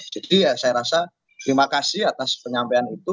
jadi saya rasa terima kasih atas penyampaian itu